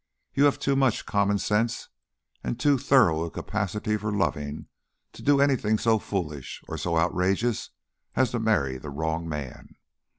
You have too much common sense and too thorough a capacity for loving to do anything so foolish or so outrageous as to marry the wrong man.